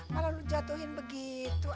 malah lu jatuhin begitu